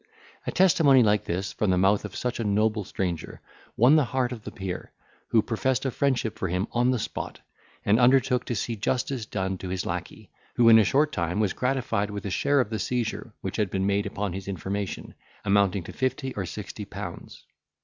A testimony like this, from the mouth of such a noble stranger, won the heart of the peer, who professed a friendship for him on the spot, and undertook to see justice done to his lacquey, who in a short time was gratified with a share of the seizure which had been made upon his information, amounting to fifty or sixty pounds.